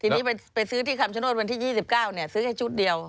ทีนี้ไปซื้อที่คำชโนธวันที่๒๙ซื้อแค่ชุดเดียว